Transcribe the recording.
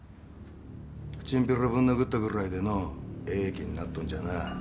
チンピラぶん殴ったぐらいでのええ気になっとんじゃなあ。